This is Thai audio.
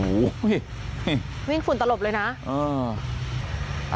วิ่งฝุ่นตลบเลยนะ